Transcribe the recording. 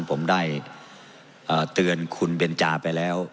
ผมได้เตือนคุณเบนจาไปแล้ว